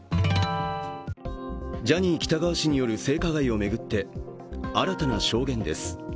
ジャニー喜多川氏による性加害を巡って新たな証言です。